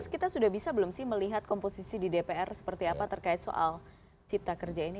kita sudah bisa belum sih melihat komposisi di dpr seperti apa terkait soal cipta kerja ini